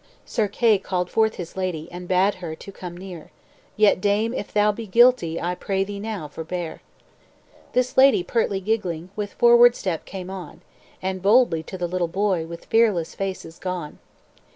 "Sir Kay called forth his lady, And bade her to come near: 'Yet dame, if thou be guilty, I pray thee now forbear.' "This lady, pertly giggling, With forward step came on, And boldly to the little boy With fearless face is gone.